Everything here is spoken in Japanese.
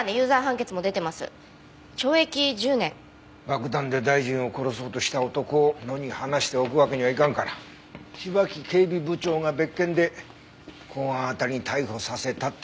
爆弾で大臣を殺そうとした男を野に放しておくわけにはいかんから芝木警備部長が別件で公安辺りに逮捕させたってところかな。